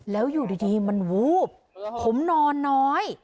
แล้วอยู่ดีมันวูบผมนอนน้อย